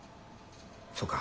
そうか。